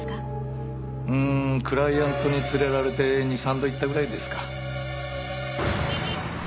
うんクライアントに連れられて２３度行ったぐらいですか。